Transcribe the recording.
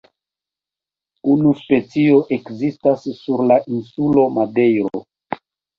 Unu specio ekzistas sur la insulo Madejro.